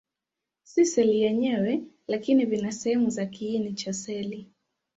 Si seli yenyewe, lakini vina sehemu za kiini cha seli.